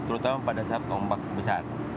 terutama pada saat ombak besar